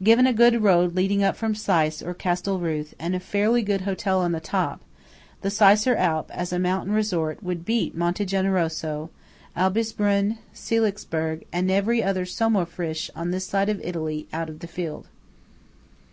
Given a good road leading up from Seiss or Castelruth and a fairly good Hotel on the top, the Seisser Alp, as a mountain resort, would beat Monte Generoso, Albisbrunn, Seelisburg, and every "Sommerfrisch" on this side of Italy out of the field.